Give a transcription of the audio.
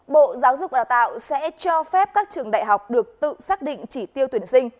bộ giáo dục đào tạo sẽ cho phép các trường đại học được tự xác định chỉ tiêu tuyển sinh